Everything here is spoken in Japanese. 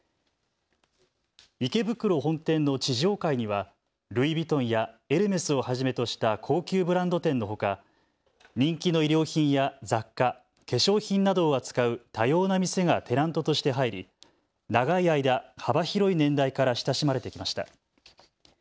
池袋本店の地上階にはルイ・ヴィトンやエルメスをはじめとした高級ブランド店のほか人気の衣料品や雑貨、化粧品などを扱う多様な店がテナントとして入り、長い間、幅広い年代から親しまれてきました。